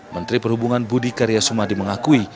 menteri perhubungan budi karyasumadi mengakui